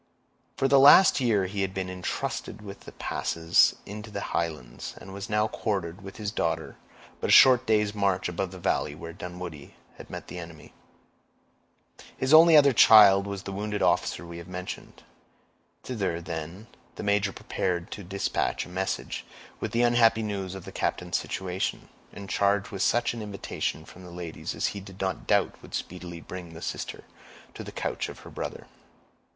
For the last year he had been intrusted with the passes into the Highlands, and was now quartered, with his daughter, but a short day's march above the valley where Dunwoodie had met the enemy. His only other child was the wounded officer we have mentioned. Thither, then, the major prepared to dispatch a messenger with the unhappy news of the captain's situation, and charged with such an invitation from the ladies as he did not doubt would speedily bring the sister to the couch of her brother.